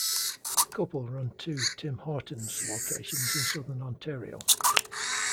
The couple run two Tim Hortons locations in southern Ontario.